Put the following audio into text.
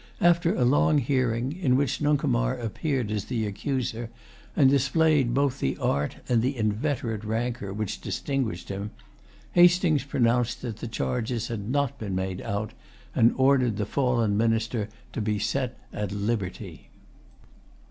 After a long hearing, in which Nuncomar appeared as the accuser, and displayed both the art and the inveterate rancor which distinguished him, Hastings pronounced that the charges had not been made out, and ordered the fallen minister to be set at liberty.